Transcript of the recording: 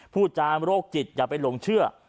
พูดจามโรคจิตอย่าไปหลงเชื่อ